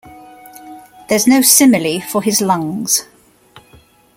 There's no simile for his lungs.